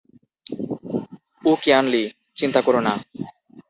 উ Qianli, চিন্তা করো না।